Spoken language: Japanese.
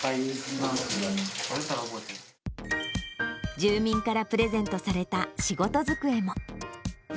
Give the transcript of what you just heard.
住民からプレゼントされた仕事机も。